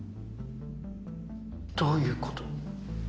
どういうこと？